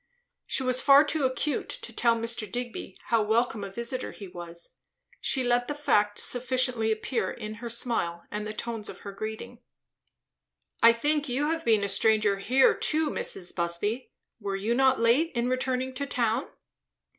She was far too acute to tell Mr. Digby how welcome a visiter he was. She let the fact sufficiently appear in her smile and the tones of her greeting. "I think, you have been a stranger here too, Mrs. Busby. Were you not late in returning to town?"